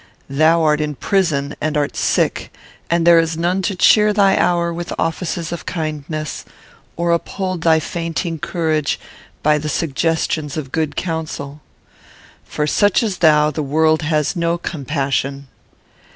Thou art in prison and art sick; and there is none to cheer thy hour with offices of kindness, or uphold thy fainting courage by the suggestions of good counsel. For such as thou the world has no compassion.